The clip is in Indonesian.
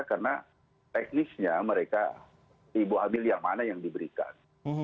karena teknisnya mereka ibu hamil yang mana yang diberikan